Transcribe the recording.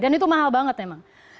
dan itu mahal banget memang